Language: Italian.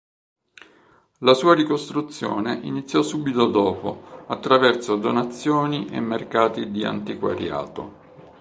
La sua ricostruzione iniziò subito dopo attraverso donazioni e mercati di antiquariato.